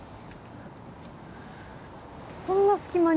こんな隙間に。